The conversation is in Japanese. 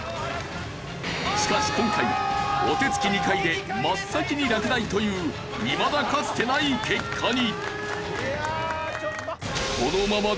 しかし今回お手つき２回で真っ先に落第といういまだかつてない結果に。